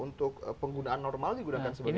untuk penggunaan normal digunakan sebagai